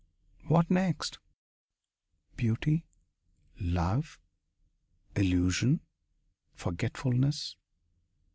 What next? Beauty. Love. Illusion. Forgetfulness."